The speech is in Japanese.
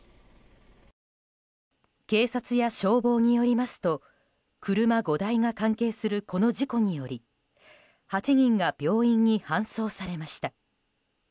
警察や消防によりますと車５台が関係するこの事故により８人が病院に搬送されました。